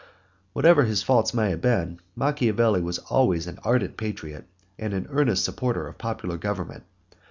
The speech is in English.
Whatever his faults may have been, Machiavelli was always an ardent patriot and an earnest supporter of popular government.